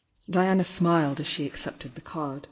Diana smiled as she accepted the card.